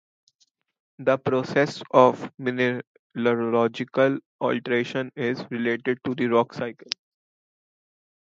This process of mineralogical alteration is related to the rock cycle.